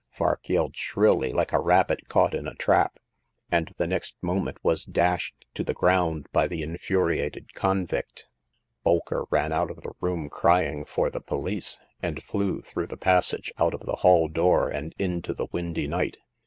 Vaik ^^Ikd shrilly like a The Passing of Hagar. 293 rabbit caught in a trap, and the next moment was dashed to the ground by the infuriated con vict. Bolker ran out of the room crying for the poHce, and flew through the passage, out of the hall door, and into the windy night.